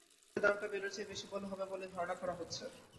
নেইমারের দামটা বেলের চেয়ে অনেক বেশি হবে বলেই ধারণা করা হচ্ছিল।